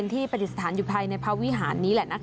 ที่ประติศาสนอยู่ภายในภาควิหารนี้แหละนะคะ